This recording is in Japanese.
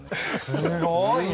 すごいね！